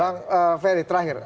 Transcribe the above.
bang ferry terakhir